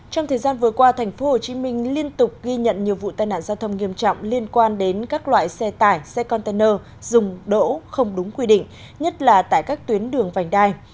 trong thời gian vừa qua tp hcm liên tục ghi nhận nhiều vụ tai nạn giao thông nghiêm trọng liên quan đến các loại xe tải xe container dùng đỗ không đúng quy định nhất là tại các tuyến đường vành đai